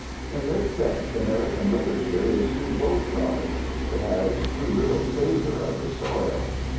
In this sense American literature is too globe trotting, it has too little savor of the soil.